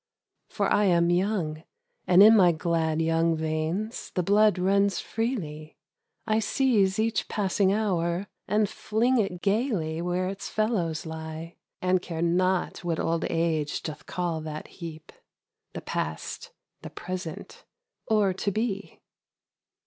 For I am young, and in my glad youi The blood runs fre< ly. I ,i pas ing hour And Ring it gaily where its fellows lie, And care not whal doth call that heap — The 1'ast the Present — or To Be.